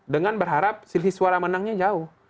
dengan berharap selisih suara menangnya jauh